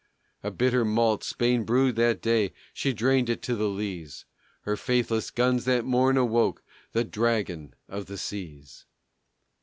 A bitter malt Spain brewed that day She drained it to the lees; Her faithless guns that morn awoke The Dragon of the Seas.